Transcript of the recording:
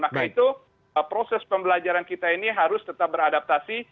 maka itu proses pembelajaran kita ini harus tetap beradaptasi